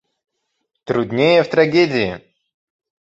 Труднее в трагедии.